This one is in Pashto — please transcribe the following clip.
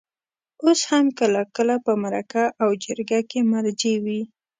اوس هم کله کله په مرکه او جرګه کې مرجع وي.